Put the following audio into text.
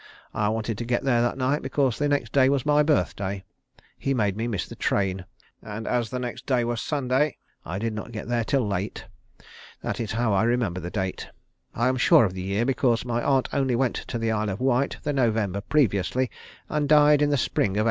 I wanted to get there that night because the next day was my birthday. He made me miss the train, and as the next day was Sunday, I did not get there till late. That is how I remember the date. I am sure of the year because my aunt only went to the Isle of Wight the November previously, and died in the spring of 1855.